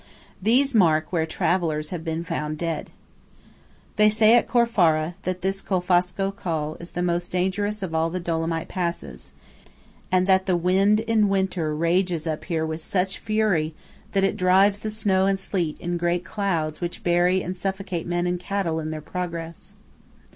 These mark where travellers have been found dead. They say at Corfara that this Colfosco Col is the most dangerous of all the Dolomite passes, and that the wind in winter rages up here with such fury that it drives the snow and sleet in great clouds which bury and suffocate men and cattle in their progress.